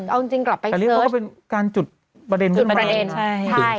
เอาจริงกลับไปเซิร์ชแต่เรียกว่าเป็นการจุดประเด็นเหมือนกัน